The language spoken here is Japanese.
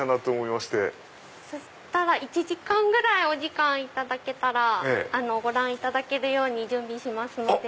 そしたら１時間ぐらいお時間頂けたらご覧いだだけるように準備しますので。